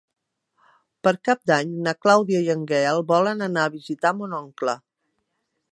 Per Cap d'Any na Clàudia i en Gaël volen anar a visitar mon oncle.